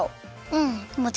うん！